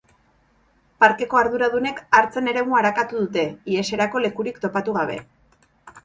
Parkeko arduradunek hartzen eremua arakatu dute iheserako lekurik topatu gabe.